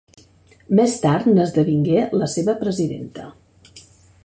Més tard n'esdevingué la seva presidenta.